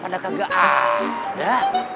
padahal gak ada